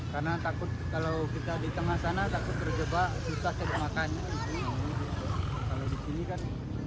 karena takut kalau kita di tengah sana takut terjebak susah terjemahkan